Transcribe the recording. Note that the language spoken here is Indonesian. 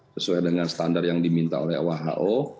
sesuai dengan standar yang diminta oleh who